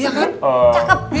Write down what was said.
iya kan cakep